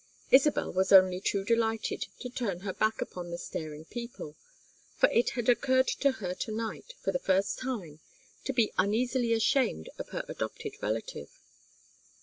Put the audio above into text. Isabel was only too delighted to turn her back upon the staring people, for it had occurred to her to night, for the first time, to be uneasily ashamed of her adopted relative.